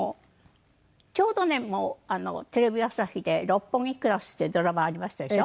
ちょうどねテレビ朝日で『六本木クラス』っていうドラマありましたでしょ？